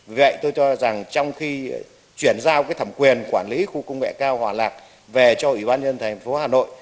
vì vậy tôi cho rằng trong khi chuyển giao thẩm quyền quản lý khu công nghệ cao hòa lạc về cho ủy ban nhân thành phố hà nội